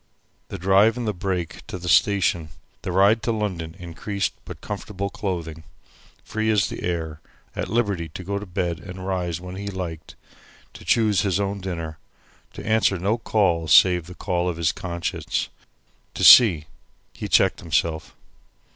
The drive in the brake to the station, the ride to London in creased, but comfortable clothing, free as the air, at liberty to go to bed and rise when he liked, to choose his own dinner, to answer no call save the call of his conscience, to see he checked himself.